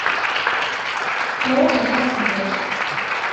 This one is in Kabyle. Iṛuḥ lḥal fell-ak.